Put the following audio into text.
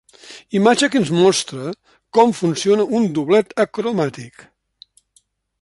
Imatge que ens mostra com funciona un doblet acromàtic.